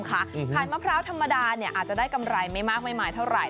ขายมะพร้าวธรรมดาอาจจะได้กำไรไม่มากไม่มายเท่าไหร่